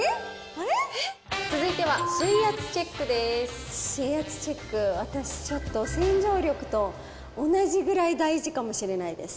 水圧チェック、私、ちょっと洗浄力と、同じぐらい大事かもしれないです。